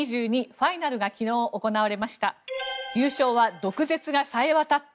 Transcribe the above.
ファイナルが昨日行われました。